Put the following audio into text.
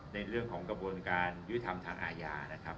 ในเรื่องของกระบวนการยุทธรรมทางอาญานะครับ